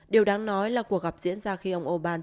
điều đáng nói là cuộc gặp diễn ra khi ông orbán